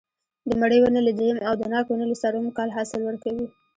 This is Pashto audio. د مڼې ونې له درېیم او د ناک ونې له څلورم کال حاصل ورکوي.